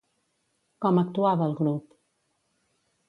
Com actuava el grup?